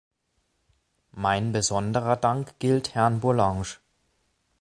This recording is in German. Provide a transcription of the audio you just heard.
Mein besonderer Dank gilt Herrn Bourlanges.